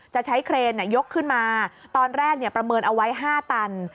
จะใช้เครนยกขึ้นมาตอนแรกประเมินเอาไว้๕ตัน